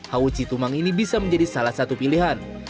hauci tumang ini bisa menjadi salah satu pilihan